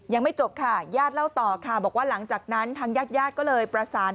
ยังไม่จบค่ะญาติเล่าต่อค่ะบอกว่าหลังจากนั้นทางญาติญาติก็เลยประสาน